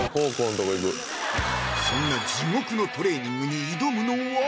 そんな地獄のトレーニングに挑むのは？